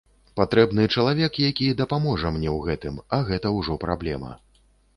Патрэбны чалавек, які дапаможа мне ў гэтым, а гэта ўжо праблема.